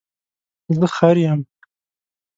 زه خر یم